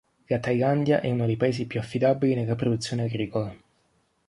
La Thailandia è uno dei paesi più affidabili nella produzione agricola.